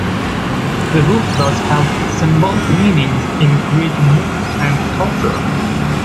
The hoop thus held symbolic meanings in Greek myth and culture.